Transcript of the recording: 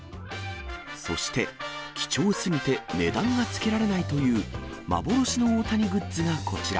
そして、貴重すぎて値段がつけられないという、幻の大谷グッズがこちら。